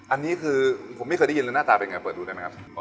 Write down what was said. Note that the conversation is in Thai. อันนี้คือผมไม่เคยได้ยินเลยหน้าตาเป็นไงเปิดดูได้ไหมครับ